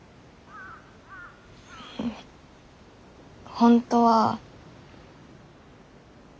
本当は。